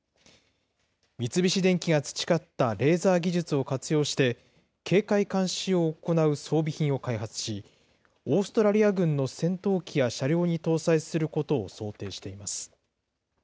三菱電機が培ったレーザー技術を活用して警戒・監視を行う装備品を開発し、オーストラリア軍の戦闘機や車両に搭載することを想定しています。